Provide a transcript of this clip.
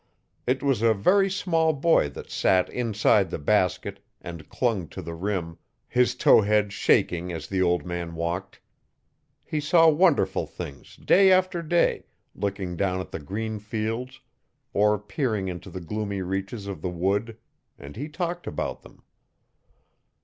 It was a very small boy that sat inside the basket and clung to the rim, his tow head shaking as the old man walked. He saw wonderful things, day after day, looking down at the green fields or peering into the gloomy reaches of the wood; and he talked about them.